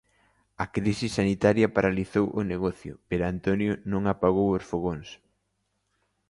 A crise sanitaria paralizou o negocio, pero Antonio non apagou os fogóns.